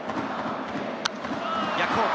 逆方向。